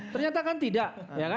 ternyata kan tidak